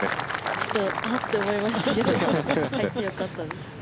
ちょっとあって思いましたけど入ってよかったです。